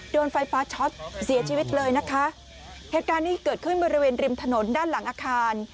โดนไฟฟ้าช็อตเสียชีวิตเลยนะคะเหตุการณ์นี้เกิดขึ้นบริเวณริมถนนด้านหลังอาคาร